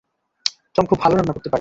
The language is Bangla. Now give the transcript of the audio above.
টম খুব ভালো রান্না করতে পারে।